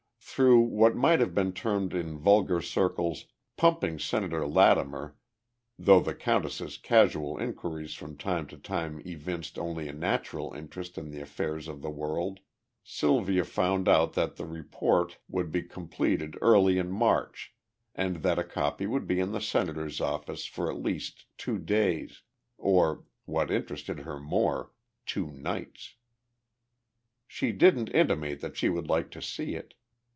Through what might have been termed in vulgar circles "pumping" Senator Lattimer, though the countess's casual inquiries from time to time evinced only a natural interest in the affairs of the world, Sylvia found out that the report would be completed early in March and that a copy would be in the Senator's office for at least two days or, what interested her more, two nights. She didn't intimate that she would like to see it.